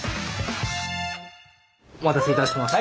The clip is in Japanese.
お待たせいたしました。